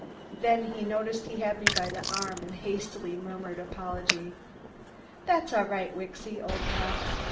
Then he noticed he had me by the arm and hastily murmured apology. "That's all right, Wicksy, old top.